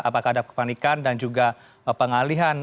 apakah ada kepanikan dan juga pengalihan